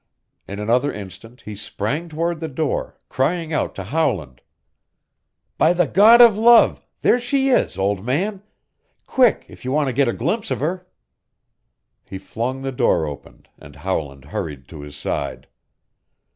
In another instant he sprang toward the door, crying out to Howland, "By the god of love, there she is, old man! Quick, if you want to get a glimpse of her!" He flung the door open and Howland hurried to his side.